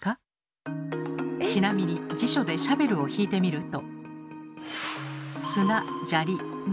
ちなみに辞書で「シャベル」をひいてみると。